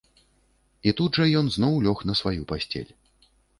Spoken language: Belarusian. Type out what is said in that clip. - І тут жа ён зноў лёг на сваю пасцель